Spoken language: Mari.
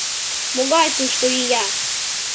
Могай тушто ия!